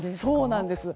そうなんです。